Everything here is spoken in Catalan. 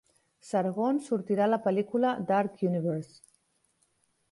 Sargon sortirà a la pel·lícula "Dark Univers".